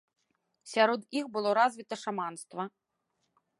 Сярод іх было развіта шаманства.